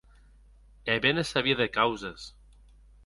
E be ne sabie de causes!